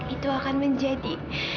itu akan menjadi